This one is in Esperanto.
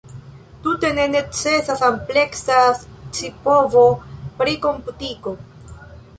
Tute ne necesas ampleksa scipovo pri komputiko.